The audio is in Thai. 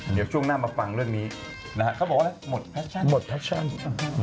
เดี๋ยวช่วงหน้ามาฟังเรื่องนี้นะฮะเขาบอกว่าหมดแพชชั่น